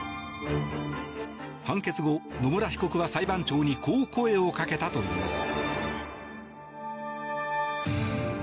判決後、野村被告は裁判長にこう声をかけたといいます。